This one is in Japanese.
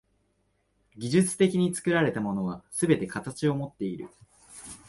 技術的に作られたものはすべて形をもっている。